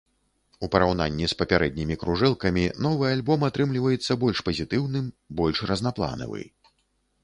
У параўнанні з папярэднімі кружэлкамі, новы альбом атрымліваецца больш пазітыўным, больш разнапланавы.